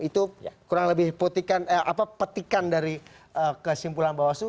itu kurang lebih petikan dari kesimpulan bawaslu